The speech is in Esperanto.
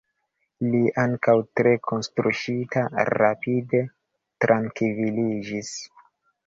Li, ankaŭ tre kortuŝita, rapide trankviliĝis.